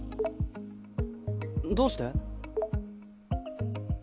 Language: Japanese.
どうして？